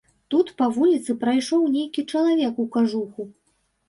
Тут па вуліцы прайшоў нейкі чалавек у кажуху.